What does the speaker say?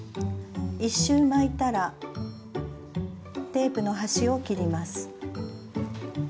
１周巻いたらテープの端を切ります。